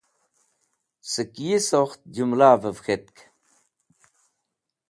Sẽk yi sokht jumlavẽv k̃hetk.